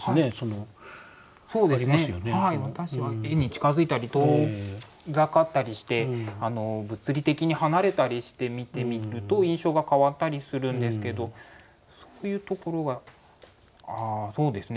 私は絵に近づいたり遠ざかったりして物理的に離れたりして見てみると印象が変わったりするんですけどそういうところがそうですね